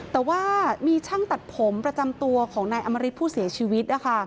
แต่ว่ามีช่างตัดผมประจำตัวของนายอมริตผู้เสียชีวิต